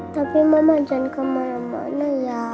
tapi mama jangan kemana mana ya